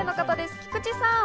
菊地さん。